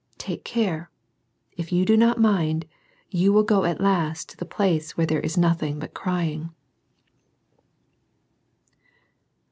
Take care. If you do not mind, you will go at last to the place where there is NOTHING BUT " CRYING."